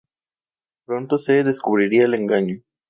Pronto se descubriría el engaño.